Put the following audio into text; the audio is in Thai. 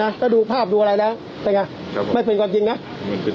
นะถ้าดูภาพดูอะไรนะเป็นไงครับไม่เป็นความจริงนะมันเป็น